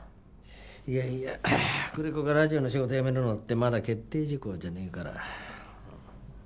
いやいや久連木がラジオの仕事辞めるのってまだ決定事項じゃねえから。